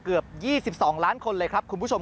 กลับวันนั้นไม่เอาหน่อย